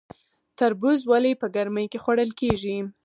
تربوز ولې په ګرمۍ کې خوړل کیږي؟